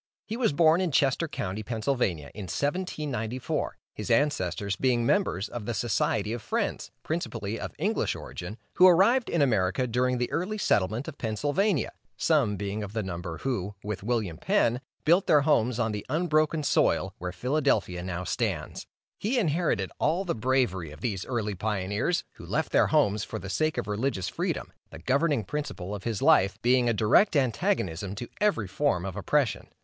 He was born in Chester county, Pa., in 1794, his ancestors being members of the Society of Friends, principally of English origin, who arrived in America during the early settlement of Pennsylvania, some being of the number who, with William Penn, built their homes on the unbroken soil, where Philadelphia now stands. He inherited all the bravery of these early pioneers, who left their homes for the sake of religious freedom, the governing principle of his life being a direct antagonism to every form of oppression.